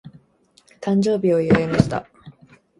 誕生日を祝いました。